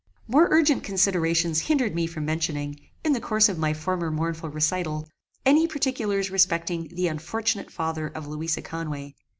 More urgent considerations hindered me from mentioning, in the course of my former mournful recital, any particulars respecting the unfortunate father of Louisa Conway.